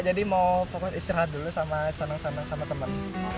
jadi mau fokus istirahat dulu sama seneng seneng sama temen